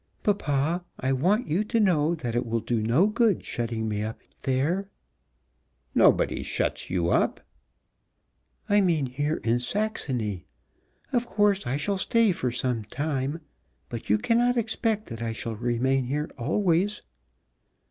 "Papa, I want you to know that it will do no good shutting me up there." "Nobody shuts you up." "I mean here in Saxony. Of course I shall stay for some time, but you cannot expect that I shall remain here always."